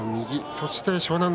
そして湘南乃